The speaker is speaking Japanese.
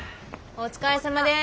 お疲れさまです。